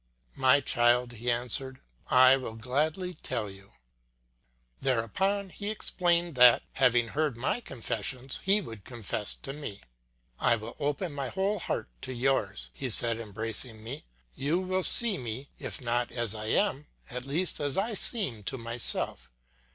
"My child," he answered, "I will gladly tell you." Thereupon he explained that, having heard my confessions, he would confess to me. "I will open my whole heart to yours," he said, embracing me. "You will see me, if not as I am, at least as I seem to myself.